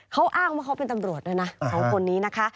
เขาอ้างว่าเขาเป็นตำรวจด้วยนะ๒คนนี้นะคะ